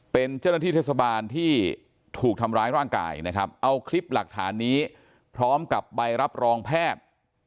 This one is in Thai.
เป็นเจ้าหน้าที่เทศบาลที่ถูกทำร้ายร่างกายนะครับเอาคลิปหลักฐานนี้พร้อมกับใบรับรองแพทย์